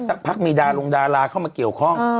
สักพักมีดารงดาราเข้ามาเกี่ยวข้อง